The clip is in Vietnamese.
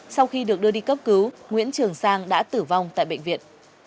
sau khi được đưa đi cấp cứu nguyễn trường sang đã tử vong tại bệnh viện